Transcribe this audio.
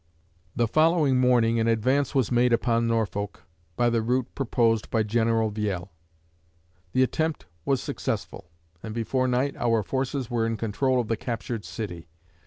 '" The following morning an advance was made upon Norfolk by the route proposed by General Viele. The attempt was successful, and before night our forces were in control of the captured city.